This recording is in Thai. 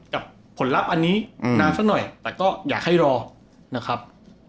กับผลลัพธ์อันนี้นานสักหน่อยแต่ก็อยากให้รอนะครับ